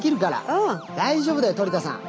大丈夫だよトリ田さん！